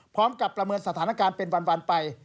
พร้อมกับประเมินสถานการณ์เป็นวันไป